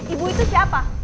ibu itu siapa